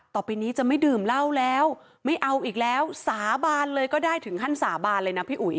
ต่อไปนี้จะไม่ดื่มเหล้าแล้วไม่เอาอีกแล้วสาบานเลยก็ได้ถึงขั้นสาบานเลยนะพี่อุ๋ย